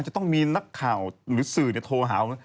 จะต้องมีนักข่าวหรือสื่อโทรหา